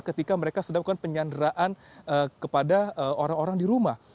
ketika mereka sedang melakukan penyanderaan kepada orang orang di rumah